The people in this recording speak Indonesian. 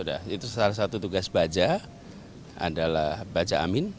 sudah itu salah satu tugas baja adalah baja amin